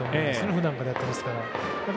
普段からやってますから。